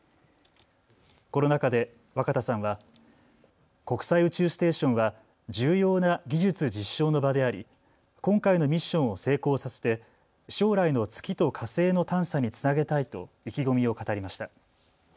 この中で若田さんは国際宇宙ステーションは重要な技術実証の場であり今回のミッションを成功させて将来の月と火星の探査につなげたいと意気込みを語りました。